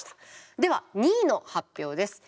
では２位の発表です。